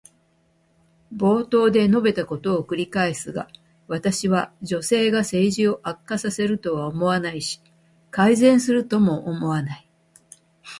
冒頭で述べたことを繰り返すが、私は女性が政治を悪化させるとは思わないし、改善するとも思わない。